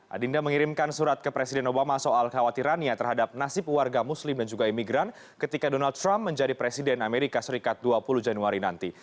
adinda mengirimkan surat ke presiden obama soal khawatirannya terhadap nasib warga muslim dan juga imigran ketika donald trump menjadi presiden amerika serikat dua puluh januari nanti